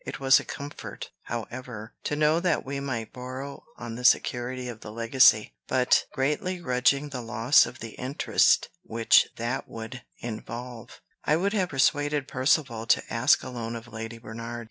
It was a comfort, however, to know that we might borrow on the security of the legacy; but, greatly grudging the loss of the interest which that would involve, I would have persuaded Percivale to ask a loan of Lady Bernard.